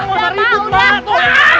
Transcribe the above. udah mak udah mak